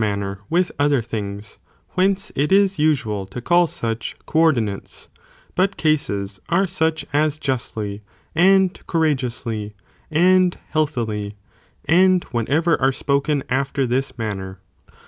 manner with other things, whence it is usual to call such, co ordinates, but cases, are such as justly, and courageously, and healthily, and whatever are spoken after this manner.